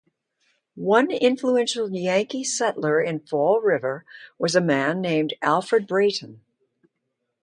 One influential Yankee settler in Fall River was a man named Alfred Brayton.